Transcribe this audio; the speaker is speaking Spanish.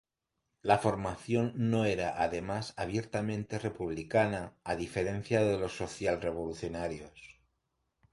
La formación no era, además, abiertamente republicana, a diferencia de los socialrevolucionarios.